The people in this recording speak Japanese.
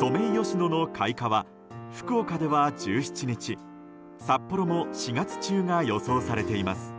ソメイヨシノの開花は福岡では１７日札幌も４月中が予想されています。